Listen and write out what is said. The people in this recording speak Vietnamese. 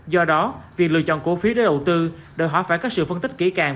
do đó việc lựa chọn cổ phiếu để đầu tư đợi họ phải có sự phân tích kỹ càng